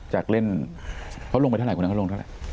จากเล่นเขาลงไปเท่าไหกว่านั้นเขาลงเท่าไหร่